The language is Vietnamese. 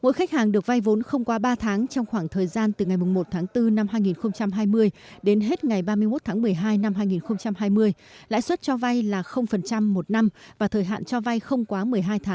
thì hôm nay doanh nghiệp đã tiến hành